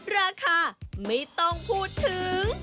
ราคาไม่ต้องพูดถึง